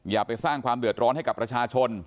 อย่าไปสร้างความเดือดร้อนให้กับประชาชน